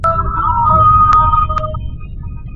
একদম স্পষ্ট, একদম উজ্জ্বল।